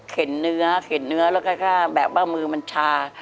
เนื้อเข็นเนื้อแล้วก็แบบว่ามือมันชา